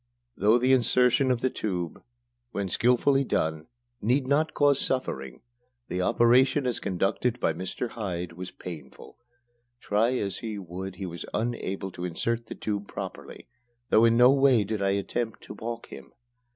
Though the insertion of the tube, when skilfully done, need not cause suffering, the operation as conducted by Mr. Hyde was painful. Try as he would, he was unable to insert the tube properly, though in no way did I attempt to balk him.